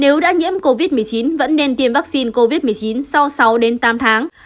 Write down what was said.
nếu đã nhiễm covid một mươi chín vẫn nên tiêm vaccine covid một mươi chín sau sáu đến tám tháng